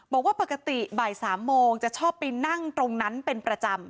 บอกว่าปกติบ่าย๓โมงจะชอบไปนั่งตรงนั้นเป็นประจำ